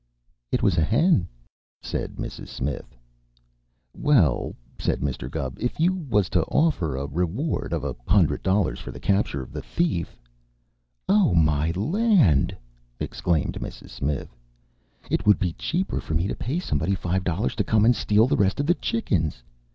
"It was a hen," said Mrs. Smith. "Well," said Mr. Gubb, "if you was to offer a reward of a hundred dollars for the capture of the thief " "Oh, my land!" exclaimed Mrs. Smith. "It would be cheaper for me to pay somebody five dollars to come and steal the rest of the chickens.